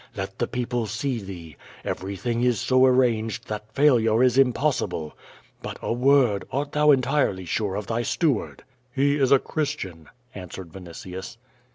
Let the people see thee. Everything is so arranged that failure is impossible. But, a word, art thou entirely sure of thy steward?" ^Tle is a Christian," answered Vinitius.